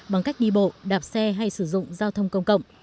bằng cách đi bộ đạp xe hay sử dụng giao thông công cộng